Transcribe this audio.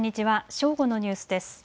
正午のニュースです。